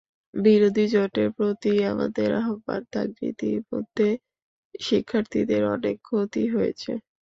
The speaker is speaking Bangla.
বিরোধী জোটের প্রতি আমাদের আহ্বান থাকবে, ইতিমধ্যে শিক্ষার্থীদের অনেক ক্ষতি হয়েছে।